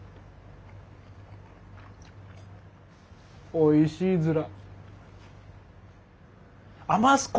おいしいヅラ。